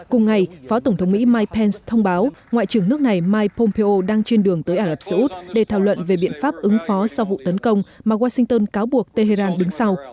cùng ngày phó tổng thống mỹ mike pence thông báo ngoại trưởng nước này mike pompeo đang trên đường tới ả rập xê út để thảo luận về biện pháp ứng phó sau vụ tấn công mà washington cáo buộc tehran đứng sau